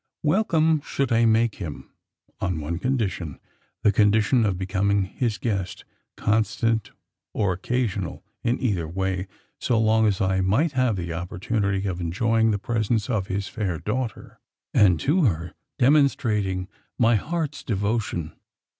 Welcome should I make him, on one condition the condition of becoming his guest constant or occasional in either way, so long as I might have the opportunity of enjoying the presence of his fair daughter, and to her demonstrating my heart's devotion.